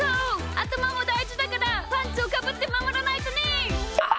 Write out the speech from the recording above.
あたまもだいじだからパンツをかぶってまもらないとね！